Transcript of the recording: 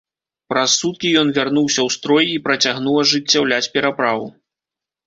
Праз суткі ён вярнуўся ў строй і працягнуў ажыццяўляць пераправу.